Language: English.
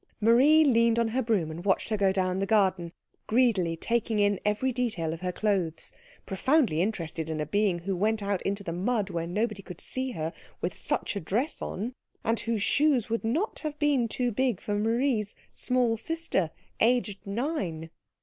Marie leaned on her broom and watched her go down the garden, greedily taking in every detail of her clothes, profoundly interested in a being who went out into the mud where nobody could see her with such a dress on, and whose shoes would not have been too big for Marie's small sister aged nine.